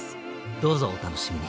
どうぞお楽しみに。